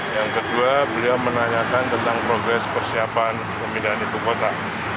yang kedua beliau menanyakan tentang progres persiapan pemindahan ibu kota